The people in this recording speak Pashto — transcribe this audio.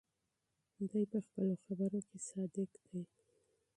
دی په خپلو خبرو کې صادق دی.